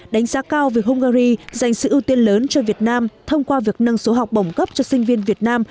đánh giá cao việc hungary dành sự ưu tiên lớn cho việt nam thông qua việc nâng số học bổng cấp cho sinh viên việt nam